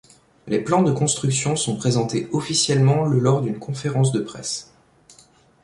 Les plans de construction sont présentés officiellement le lors d'une conférence de presse.